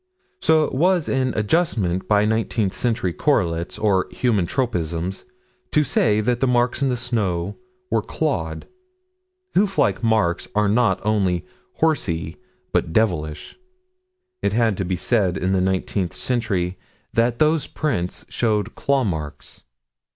So it was an adjustment by nineteenth century correlates, or human tropisms, to say that the marks in the snow were clawed. Hoof like marks are not only horsey but devilish. It had to be said in the nineteenth century that those prints showed claw marks.